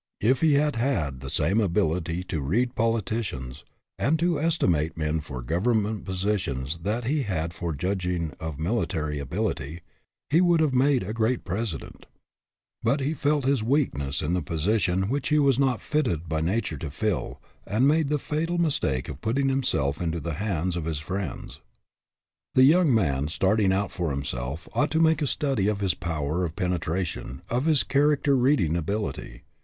If he had had the same ability to read politi cians and to estimate men for government positions that he had for judging of military ability, he would have made a great President ; but he felt his weakness in the position which he was not fitted by nature to fill, and made the i 9 4 SIZING UP PEOPLE fatal mistake of putting himself into the hands of his friends. The young man starting out for himself ought to make a study of his power of penetra tion, of his character reading ability.